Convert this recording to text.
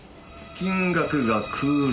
金額が空欄